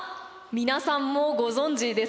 皆さんもご存じですよね。